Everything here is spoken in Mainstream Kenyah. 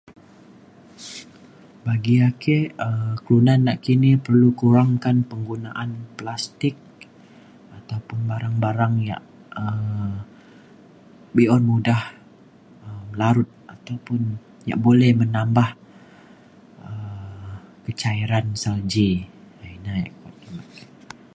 bagi ake um kelunan nakini perlu kurangkan penggunaan plastik ataupun barang barang yak um be’un mudah um larut ataupun yak boleh menambah um kecairan salji ina yak